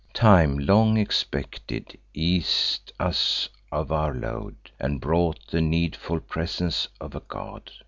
Time, long expected, eas'd us of our load, And brought the needful presence of a god.